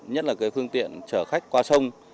nhất là cái phương tiện chở khách qua sông